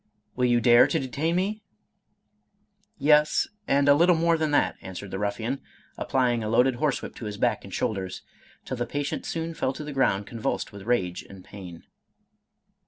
" Will you dare to detain me? "—" Yes, and a Httle more than that," answered the ruffian, applying a loaded horsewhip to his back and shoulders, till the patient soon fell to the ground convulsed with rage and pain.